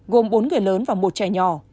gồm bốn người lớn và một trẻ nhỏ